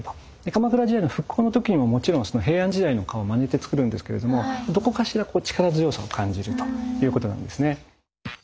鎌倉時代の復興の時にももちろん平安時代の顔をまねて造るんですけれどもどこかしら力強さを感じるということなんですね。